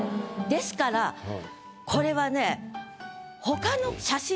ですからこれはね。